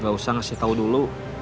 gak usah ngasih tahu dulu